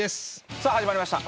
さあ始まりました